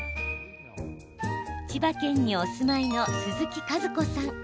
千葉県にお住まいの鈴木和子さん。